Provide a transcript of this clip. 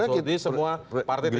jadi semua partai tidak akan tersandra